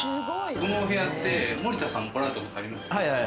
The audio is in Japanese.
このお部屋って森田さんも来られたことありますか？